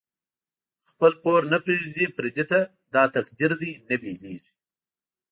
خپل پور نه پریږدی پردی ته، دا تقدیر دۍ نه بیلیږی